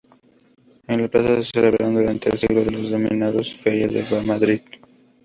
En la plaza se celebraron durante el siglo las denominadas Ferias de Madrid.